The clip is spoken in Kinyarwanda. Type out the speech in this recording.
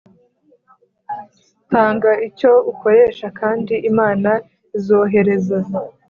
tanga icyo ukoreshe kandi imana izohereza